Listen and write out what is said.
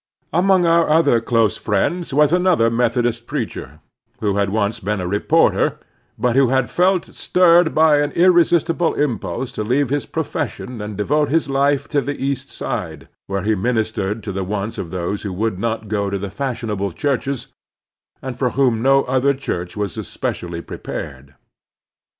Among our other close friends was another Methodist preacher, who had once been a reporter, but who had felt stirred by an irresistible impulse to leave his pro fession and devote his life to the East Side, where he ministered to the wants of those who would not go to the fashionable churches, and for whom no Other church was especially prepared.